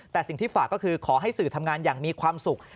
แต่สิ่งที่ฝากก็คือขอให้สื่อทำงานอย่างมีความสุข